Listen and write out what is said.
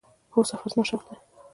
هو، سفر زما شوق دی